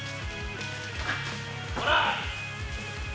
ほら。